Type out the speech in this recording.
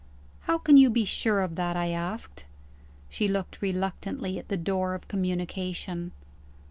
"How can you be sure of that?" I asked. She looked reluctantly at the door of communication.